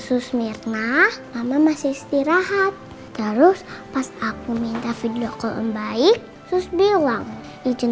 sus mirna mama masih istirahat terus pas aku minta video kalau membaik terus bilang izin